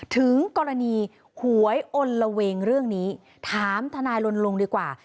ถึงกรณีหวยอลละเวงเรื่องนี้ถามทนายลนลงดีกว่า